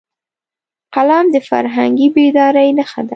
قلم د فرهنګي بیدارۍ نښه ده